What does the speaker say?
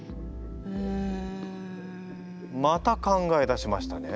うん。また考え出しましたね。